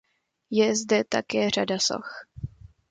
Je zde také řada soch.